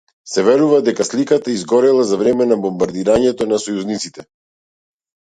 Се верува дека сликата изгорела за време на бомбардирањето на сојузниците.